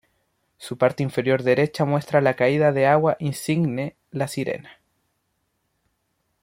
Su parte inferior derecha muestra la caída de agua insigne La Sirena.